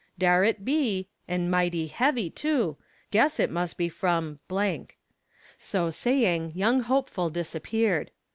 "Dar it be, and mity heavy, too; guess it mus' be from ." So saying, young hopeful disappeared.